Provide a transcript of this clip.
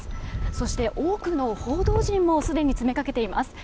そして、多くの報道陣もすでに詰めかけています。